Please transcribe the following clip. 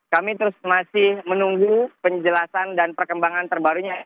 kami terus masih menunggu penjelasan dan perkembangan terbarunya